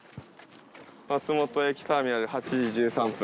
松本駅ターミナル８時１３分。